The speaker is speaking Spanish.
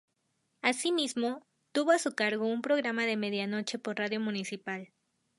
Asimismo, tuvo a su cargo un programa de medianoche por Radio Municipal.